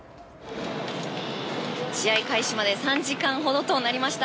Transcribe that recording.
試合開始まで３時間ほどとなりました。